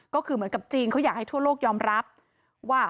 ก็คือเหมือนกับจีนเขาอยากให้ทั่วโลกยอมรับว่า